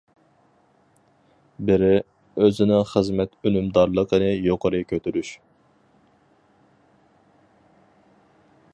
بىرى، ئۆزىنىڭ خىزمەت ئۈنۈمدارلىقىنى يۇقىرى كۆتۈرۈش.